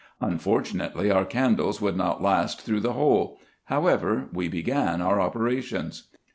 Un fortunately, our candles would not last through the whole : how ever, we began our operations.